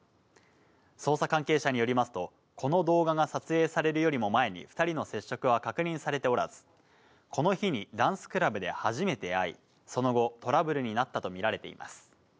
捜査関係者によりますと、この動画が撮影されるよりも前に、２人の接触は確認されておらず、この日にダンスクラブで初めて会い、その後、トラブルになったと見られています。